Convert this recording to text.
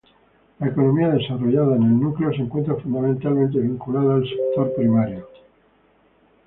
La economía desarrollada en el núcleo se encuentra fundamentalmente vinculada al sector primario.